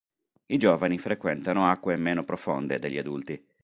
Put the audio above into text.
I giovani frequentano acque meno profonde degli adulti.